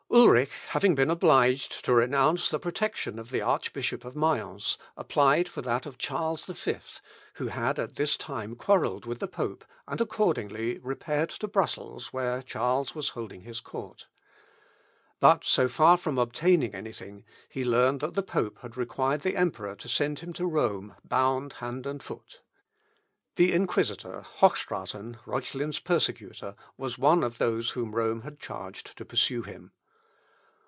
Ulrich having been obliged to renounce the protection of the Archbishop of Mayence, applied for that of Charles V, who had at this time quarrelled with the pope, and accordingly repaired to Brussels, where Charles was holding his court. But so far from obtaining anything, he learned that the pope had required the emperor to send him to Rome bound hand and foot. The inquisitor, Hochstraten, Reuchlin's persecutor, was one of those whom Rome had charged to pursue him.